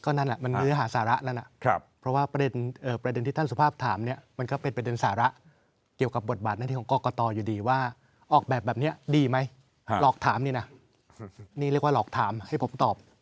นั่นแหละมันเนื้อหาสาระแล้วนะเพราะว่าประเด็นที่ท่านสุภาพถามเนี่ยมันก็เป็นประเด็นสาระเกี่ยวกับบทบาทหน้าที่ของกรกตอยู่ดีว่าออกแบบแบบนี้ดีไหมหลอกถามนี่นะนี่เรียกว่าหลอกถามให้ผมตอบ